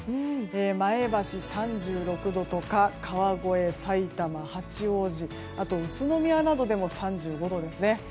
前橋３６度とか川越、埼玉、八王子宇都宮などでも３５度ですね。